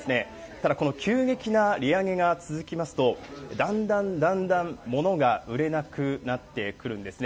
ただ、この急激な利上げが続きますと、だんだんだんだん物が売れなくなってくるんですね。